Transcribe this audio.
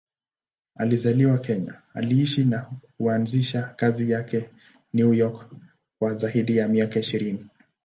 Alizaliwa Kenya, aliishi na kuanzisha kazi zake New York kwa zaidi ya miaka ishirini.